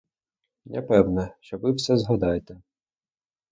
Я певна, що ви все згадаєте.